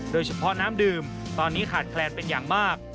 โดยเฉพาะน้ำดื่มตอนนี้ขาดแคลนเป็นอย่างมาก